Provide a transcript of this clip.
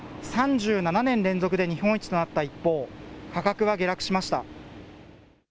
３７年連続で日本一となった一方、価格は下落しました。